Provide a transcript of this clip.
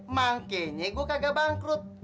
makanya gue kagak bangkrut